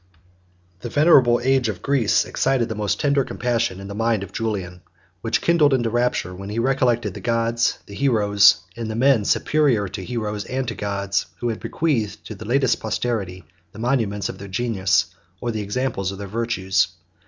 The venerable age of Greece excited the most tender compassion in the mind of Julian, which kindled into rapture when he recollected the gods, the heroes, and the men superior to heroes and to gods, who have bequeathed to the latest posterity the monuments of their genius, or the example of their virtues.